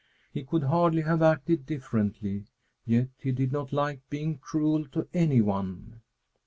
He could hardly have acted differently, yet he did not like being cruel to any one.